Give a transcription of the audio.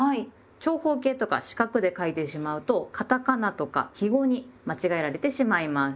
長方形とか四角で書いてしまうとカタカナとか記号に間違えられてしまいます。